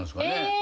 え！